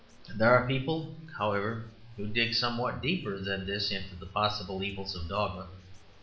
There are people, however, who dig somewhat deeper than this into the possible evils of dogma.